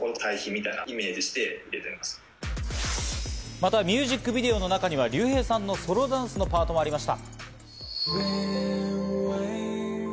また、ミュージックビデオの中にはＲＹＵＨＥＩさんのソロダンスのパートがありました。